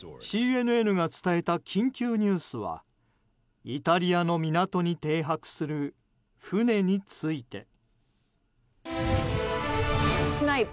ＣＮＮが伝えた緊急ニュースはイタリアの港に停泊する船について。